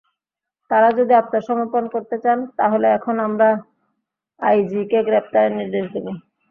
তাঁরা যদি আত্মসর্মপণ করতে চান, তাহলে এখন আমরা আইজিকে গ্রেপ্তারের নির্দেশ দেব।